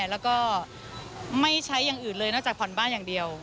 แล้วก็ไม่ใช้อย่างอื่นเลยนอกจากผ่อนบ้านอย่างเดียว